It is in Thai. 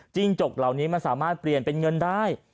จกเหล่านี้มันสามารถเปลี่ยนเป็นเงินได้